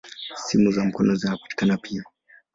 Simu za mkono zinapatikana pia.